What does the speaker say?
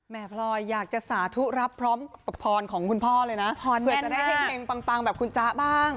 แม่พลอยอยากจะสาธุรับพร้อมกับพรของคุณพ่อเลยนะพรแม่นมากเผื่อจะได้เฮ้งเงินปังปังแบบคุณจ๊ะบ้าง